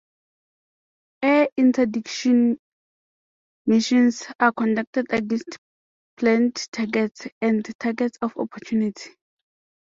Air interdiction missions are conducted against planned targets and targets of opportunity.